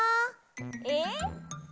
えっ？